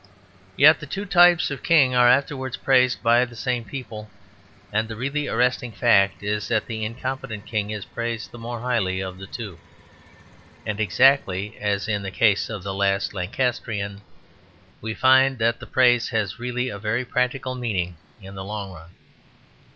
Yet the two types of king are afterwards praised by the same people; and the really arresting fact is that the incompetent king is praised the more highly of the two. And exactly as in the case of the last Lancastrian, we find that the praise has really a very practical meaning in the long run.